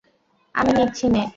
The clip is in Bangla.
আমি নিচ্ছি নে।